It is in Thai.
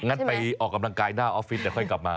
งั้นไปออกกำลังกายหน้าออฟฟิศเดี๋ยวค่อยกลับมา